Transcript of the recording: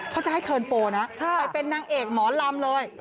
เขาจะให้เทิร์นโปรนะไปเป็นนางเอกหมอลำเลย